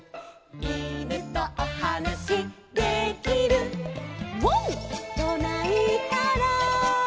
「いぬとおはなしできる」「ワンとないたら」